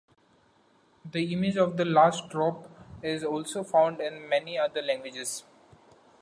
The image of the last drop is also found in many other languages.